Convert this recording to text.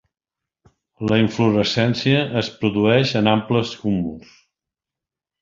La inflorescència es produeix en amples cúmuls.